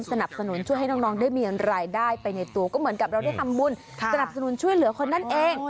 สนับสนุนช่วยให้น้องได้มีรายได้ไปในตัวก็เหมือนกับเราได้ทำบุญสนับสนุนช่วยเหลือคนนั่นเอง